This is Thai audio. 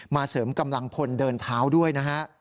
เสริมกำลังพลเดินเท้าด้วยนะฮะ